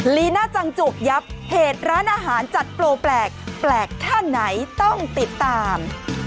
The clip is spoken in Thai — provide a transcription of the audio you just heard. ลีน่าจังจุกยับเพจร้านอาหารจัดโปรแปลกแปลกแค่ไหนต้องติดตาม